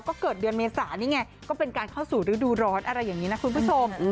ก็เกิดเดือนเมษานี่ไงก็เป็นการเข้าสู่ฤดูร้อนอะไรอย่างนี้นะคุณผู้ชม